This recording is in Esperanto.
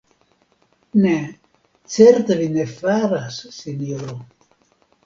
Ne, certe vi ne faras, sinjoro .